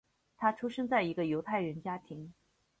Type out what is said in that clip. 他出生在一个犹太人家庭。